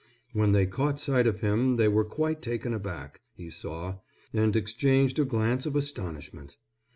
When they caught sight of him they were quite taken aback, he saw, and exchanged a glance of astonishment.